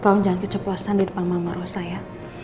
tolong jangan keceplosan di depan mama rosa ya